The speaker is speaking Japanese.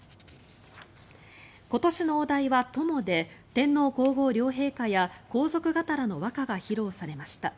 今年のお題は「友」で天皇・皇后両陛下や皇族方らの和歌が披露されました。